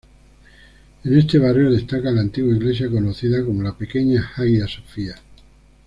En este barrio destaca la antigua iglesia conocida como la pequeña Hagia Sofia.